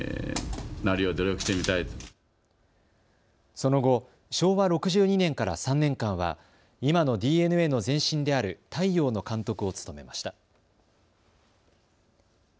その後、昭和６２年から３年間は今のＤｅＮＡの前身である大洋の監督を務めました。